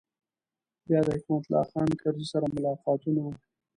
بیا د حکمت الله خان کرزي سره ملاقاتونه و.